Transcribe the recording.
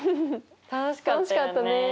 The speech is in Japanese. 楽しかったよね。